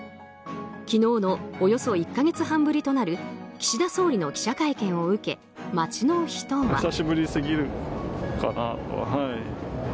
昨日のおよそ１か月半ぶりとなる岸田総理の記者会見を受け街の人は。